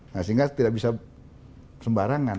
sehingga tidak bisa sembarangan